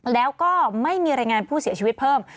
แล้วก็ไม่มีรายงานผู้เสียชีวิตเพิ่ม